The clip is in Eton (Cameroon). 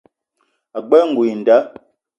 Ag͡bela ngoul i nda.